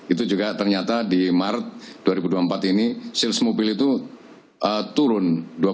itu juga ternyata di maret dua ribu dua puluh empat ini sales mobil itu turun